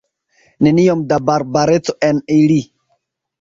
Neniom da barbareco en ili!